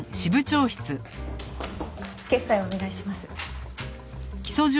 決裁をお願いします。